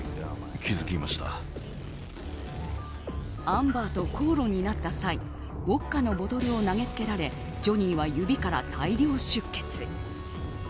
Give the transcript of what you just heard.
アンバーと口論になった際ウォッカのボトルを投げつけられジョニーは指から大量出血。